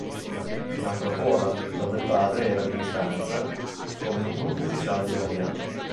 Nacque a Pola, dove il padre era di stanza come un ufficiale di marina.